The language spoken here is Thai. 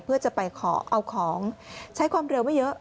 เพื่อจะไปขอเอาของใช้ความเร็วไม่เยอะ